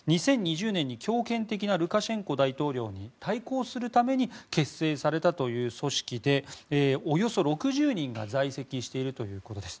２０２０年に強権的なルカシェンコ大統領に対抗するために結成されたという組織でおよそ６０人が在籍しているということです。